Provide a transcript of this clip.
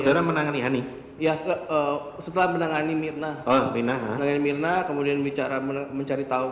setelah saya menangani hanya dan sudah berbicara sama siapa itu